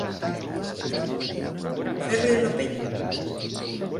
Fer-li la pell.